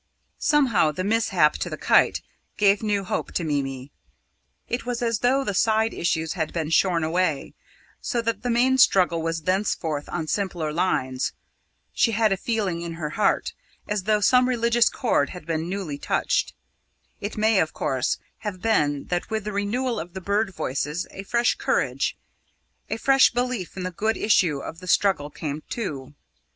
Somehow, the mishap to the kite gave new hope to Mimi. It was as though the side issues had been shorn away, so that the main struggle was thenceforth on simpler lines. She had a feeling in her heart, as though some religious chord had been newly touched. It may, of course, have been that with the renewal of the bird voices a fresh courage, a fresh belief in the good issue of the struggle came too.